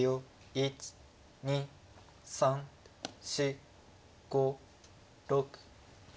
１２３４５６。